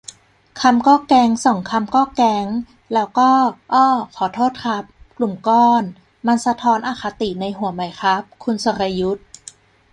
คำก็ 'แก๊ง' สองคำก็ 'แก๊ง' แล้วก็ อ้อ ขอโทษครับ 'กลุ่มก้อน' มันสะท้อนอคติในหัวไหมครับ คุณสรยุทธ์